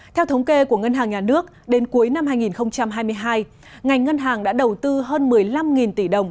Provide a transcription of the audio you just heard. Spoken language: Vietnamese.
theo thống kê của ngân hàng nhà nước đến cuối năm hai nghìn hai mươi hai ngành ngân hàng đã đầu tư hơn một mươi năm tỷ đồng